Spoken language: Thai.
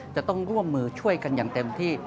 จะต้องร่วมมือช่วยกันอย่างเต็มที่